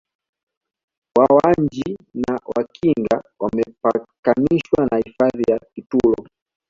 Wawanji na Wakinga wamepakanishwa na hifadhi ya Kitulo